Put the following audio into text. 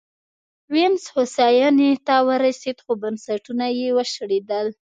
وینز هوساینې ته ورسېد خو بنسټونه یې وشړېدل